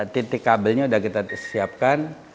titik kabelnya sudah kita siapkan